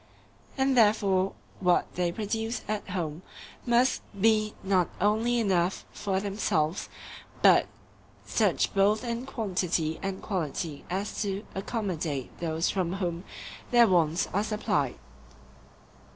And therefore what they produce at home must be not only enough for themselves, but such both in quantity and quality as to accommodate those from whom their wants are supplied.